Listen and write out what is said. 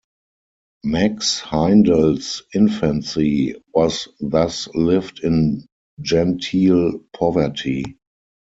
Max Heindel's infancy was thus lived in genteel poverty.